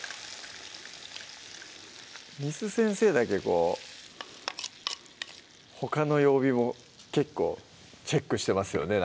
簾先生だけこうほかの曜日も結構チェックしてますよね